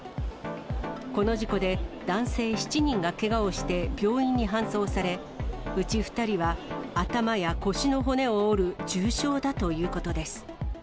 この事故で男性７人がけがをして病院に搬送され、うち２人は頭や腰の骨を折る重傷だということです。